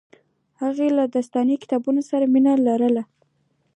هغې له داستاني کتابونو سره مینه لرله